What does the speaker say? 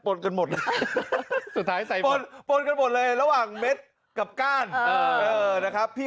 ปลดกันหมดสุดท้ายปลดกันหมดเลยระหว่างเม็ดกับก้านนะครับพี่